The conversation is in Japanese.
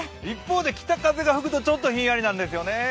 一方で北風が吹くとちょっとひんやりなんですよね。